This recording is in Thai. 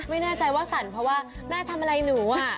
ไม่แน่ใจว่าสั่นเพราะว่าแม่ทำอะไรหนูอ่ะ